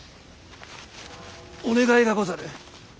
お願いがござる。